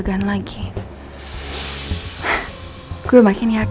karena ada buatan kerja